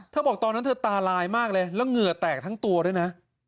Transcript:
บอกตอนนั้นเธอตาลายมากเลยแล้วเหงื่อแตกทั้งตัวด้วยนะ